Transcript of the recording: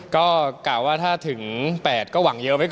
ก็กล่าวว่าถ้าถึง๘ก็หวังเยอะไว้ก่อน